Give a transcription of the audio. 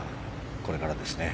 これからですね。